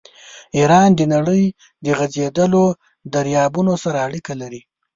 ایران د نړۍ د غځېدلو دریابونو سره اړیکې لري.